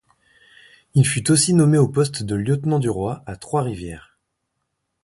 Il fut aussi nommé au poste de lieutenant du roi à Trois-Rivières.